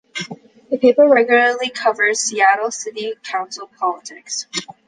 The paper regularly covers Seattle City Council politics.